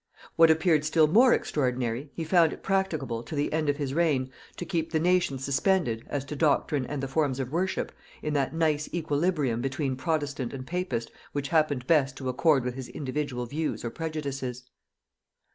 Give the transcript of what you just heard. What appeared still more extraordinary, he found it practicable, to the end of his reign, to keep the nation suspended, as to doctrine and the forms of worship, in that nice equilibrium between protestant and papist which happened best to accord with his individual views or prejudices.